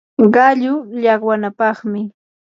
qallu llaqwanapaqmi